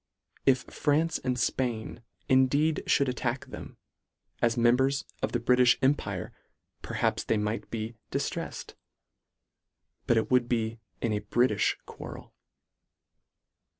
If France and Spain indeed fhould attack them, as members of the Bri tish empire perhaps they might be diftreffed ; but it would be in a Britifh quarrel.